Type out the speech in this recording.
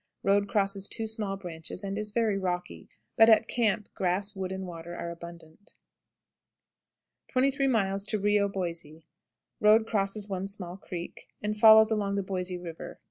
Road crosses two small branches, and is very rocky, but at camp grass, wood, and water are abundant. 23. Rio Boisè. Road crosses one small creek, and follows along the Boisè River.